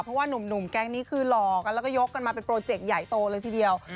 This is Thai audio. เพราะว่านุ่มแก๊งนี้คือหลอกกันแล้วก็ยกกันมาเป็นโปรเจกต์ใหญ่โตเลยทีเดียว